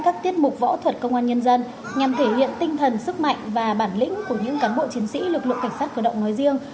các tiết mục võ thuật công an nhân dân nhằm thể hiện tinh thần sức mạnh và bản lĩnh của những cán bộ chiến sĩ lực lượng cảnh sát cơ động nói riêng